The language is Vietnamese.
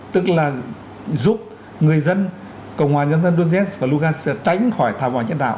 tức là giúp người dân cộng hòa nhân dân donetsk và lugansk tránh khỏi thảm họa nhân đạo